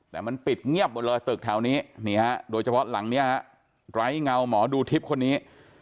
แต่มันปิดเงียบหมดเลยตึกแถวนี้โดยเฉพาะหลังเนี่ยฮะไร้เงาหมอดูทิพย์คนนี้